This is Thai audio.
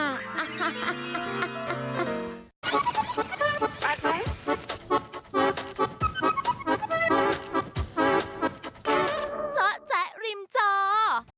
อ่าฮ่า